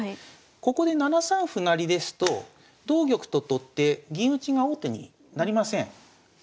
ここで７三歩成ですと同玉と取って銀打ちが王手になりません。